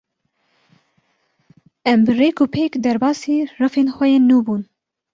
Em bi rêk û pêk derbasî refên xwe yên nû bûn.